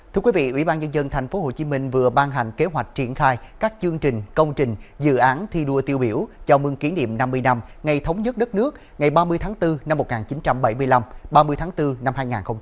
thưa quý vị ủy ban nhân dân tp hcm vừa ban hành kế hoạch triển khai các chương trình công trình dự án thi đua tiêu biểu chào mừng kỷ niệm năm mươi năm ngày thống nhất đất nước ngày ba mươi tháng bốn năm một nghìn chín trăm bảy mươi năm ba mươi tháng bốn năm hai nghìn hai mươi